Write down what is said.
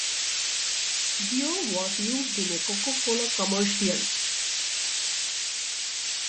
"Deo" was used in a Coca-Cola commercial.